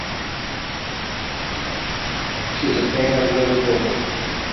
She is a fan of Liverpool.